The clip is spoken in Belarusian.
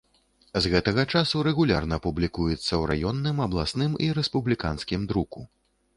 З гэтага часу рэгулярна публікуецца ў раённым, абласным і рэспубліканскім друку.